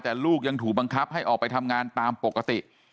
แต่ลูกยังถูกบังคับให้ออกไปทำงานตามปกติ